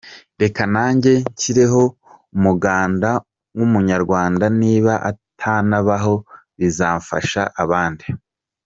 Reka nanjye nshyireho umuganda nk’umunyarwanda niba atanabaho bizafasha abandi.